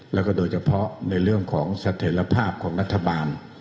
แล้วก็โดยเฉพาะในเรื่องของเสถียรภาพของรัฐบาล